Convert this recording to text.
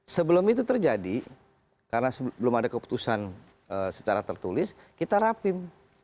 sebelum itu terjadi karena sebelum ada keputusan secara tertulis kita rapim